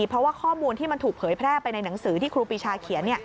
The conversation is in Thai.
เพราะว่าข้อมูลที่มันถูกเผยแพร่ไปในหนังสือที่ครูปีชาเขียน